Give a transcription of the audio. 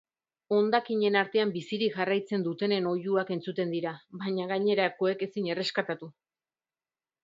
Hondakinen artean bizirik jarraitzen dutenen oihuak entzuten dira, baina gainerakoek ezin erreskatatu.